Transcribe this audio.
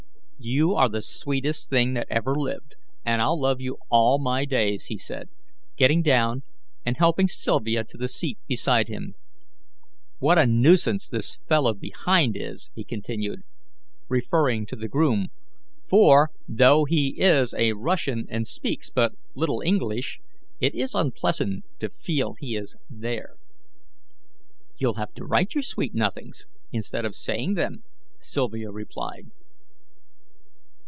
"You are the sweetest thing that ever lived, and I'll love you all my days," he said, getting down and helping Sylvia to the seat beside him. "What a nuisance this fellow behind is!" he continued referring to the groom "for, though he is a Russian, and speaks but little English, it is unpleasant to feel he is there." "You'll have to write your sweet nothings, instead of saying them," Sylvia replied.